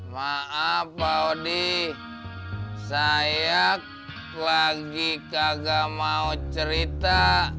maaf pak odi saya lagi kagak mau cerita